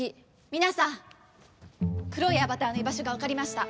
みなさん黒いアバターの居場所がわかりました！